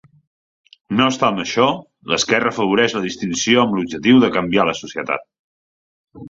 No obstant això, l'esquerra afavoreix la distinció amb l'objectiu de canviar la societat.